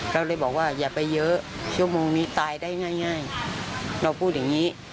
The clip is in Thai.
เราเลยบอกว่าอย่าไปเยอะชั่วโมงนี้ตายได้ง่ายเราพูดอย่างนี้